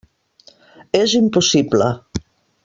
És impossible.